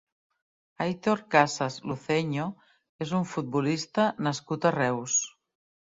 Aitor Casas Luceño és un futbolista nascut a Reus.